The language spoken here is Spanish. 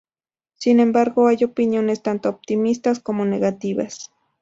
Sin embargo, hay opiniones tanto optimistas como negativas.